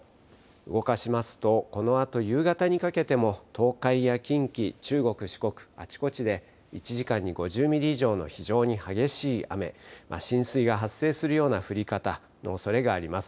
動かしますとこのあと夕方にかけても東海や近畿、中国、四国、あちこちで１時間に５０ミリ以上の非常に激しい雨、浸水が発生するような降り方のおそれがあります。